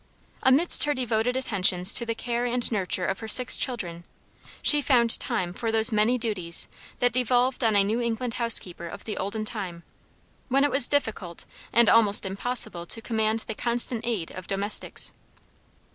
Amidst her devoted attentions to the care and nurture of her six children she found time for those many duties that devolved on a New England housekeeper of the olden time, when it was difficult and almost impossible to command the constant aid of domestics.